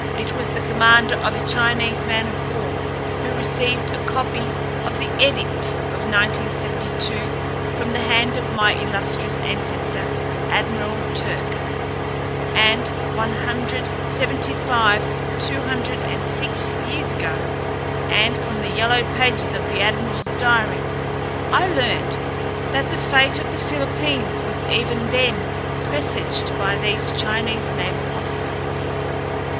It was the commander of a Chinese man of war who received a copy of the edict of 1972 from the hand of my illustrious ancestor, Admiral Turck, on one hundred seventy five, two hundred and six years ago, and from the yellowed pages of the admiral's diary I learned that the fate of the Philippines was even then presaged by these Chinese naval officers.